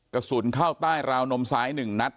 กระสุนเข้าใต้ราวนมซ้าย๑นัด